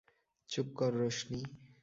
চুপ কর রোশনি।